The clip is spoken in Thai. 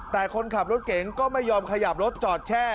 แต่คนขับรถเก๋งก็ไม่ยอมขยับรถจอดแช่